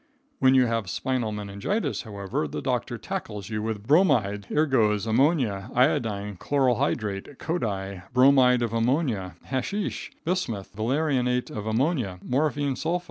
When you have spinal meningitis, however, the doctor tackles you with bromides, ergots, ammonia, iodine, chloral hydrate, codi, bromide of ammonia, hasheesh, bismuth, valerianate of ammonia, morphine sulph.